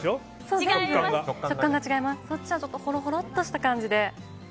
そっちはほろほろっとした感じで。